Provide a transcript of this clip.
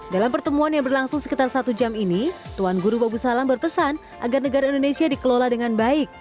dalam pertemuan yang berlangsung sekitar satu jam ini tuan guru babu salam berpesan agar negara indonesia dikelola dengan baik